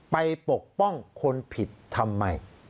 ปกป้องคนผิดทำไม